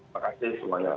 terima kasih semuanya